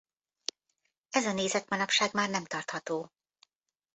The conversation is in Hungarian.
Ez a nézet manapság már nem tartható.